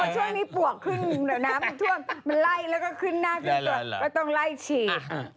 ช่วงนี้ปรวกขึ้นหน่าลายแล้วก็ขึ้นหน้ามันต้องไล่ฉีก